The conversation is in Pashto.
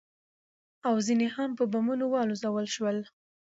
او ځنې هم په بمونو والوزول شول.